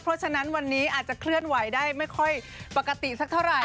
เพราะฉะนั้นวันนี้อาจจะเคลื่อนไหวได้ไม่ค่อยปกติสักเท่าไหร